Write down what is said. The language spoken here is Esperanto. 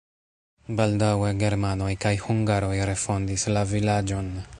Baldaŭe germanoj kaj hungaroj refondis la vilaĝon.